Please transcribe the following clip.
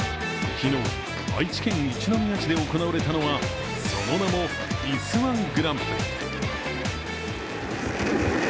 昨日、愛知県一宮市で行われたのはその名も、いす−１グランプリ。